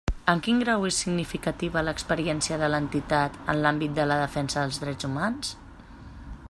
En quin grau és significativa l'experiència de l'entitat en l'àmbit de la defensa dels drets humans?